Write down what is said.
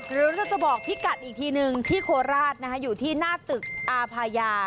หรือเราจะบอกพี่กัดอีกทีนึงที่โคราชอยู่ที่หน้าตึกอาภายา